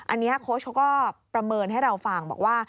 อันนี้โค้ชเขาก็ประเมินให้เราฟังบอกว่า